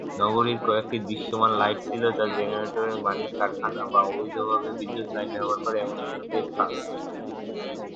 নগরীর কয়েকটি দৃশ্যমান লাইট ছিল যা জেনারেটরের মালিক, কারখানা বা অবৈধভাবে বিদ্যুৎ লাইন ব্যবহার করে এমন ব্যক্তিদের কাছ।